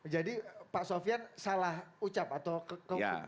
jadi pak sofian salah ucap atau kepercayaan